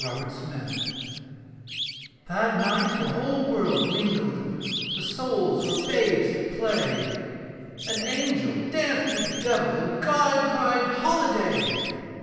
A CERTAIN EVENING That night the whole world mingled, The souls were babes at play, And angel danced with devil. And God cried, 'Holiday!'